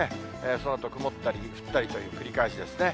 そのあと曇ったり、降ったりという繰り返しですね。